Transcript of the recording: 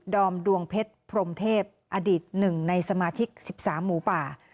อมดวงเพชรพรมเทพอดีต๑ในสมาชิก๑๓หมูป่า